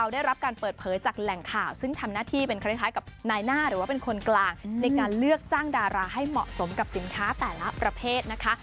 ดาราให้เหมาะสมกับสินค้าแต่ละประเภทนะคะ